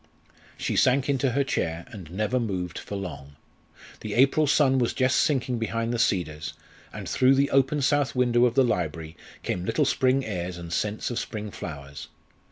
She sank into her chair and never moved for long. The April sun was just sinking behind the cedars, and through the open south window of the library came little spring airs and scents of spring flowers.